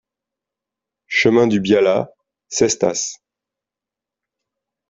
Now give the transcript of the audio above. Chemin du Biala, Cestas